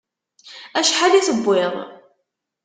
Acḥal i tewwiḍ?